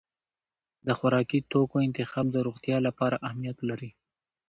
د خوراکي توکو انتخاب د روغتیا لپاره اهمیت لري.